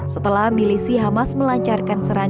setelah milisi hamas melancarkan serangan